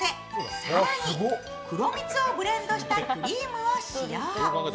更に、黒蜜をブレンドしたクリームを使用。